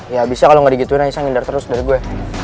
ya bisa kalau nggak digituin aisyah ngindar terus dari gue